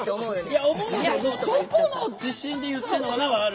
いや思うけど「どこの自信で言ってんのかな」はある。